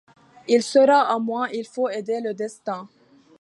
Il sera à moi. — Il faut aider le destin.